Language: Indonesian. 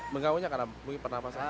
mengganggu karena mungkin pernafasan